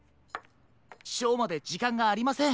ショーまでじかんがありません。